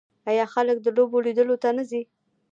آیا خلک د لوبو لیدلو ته نه ځي؟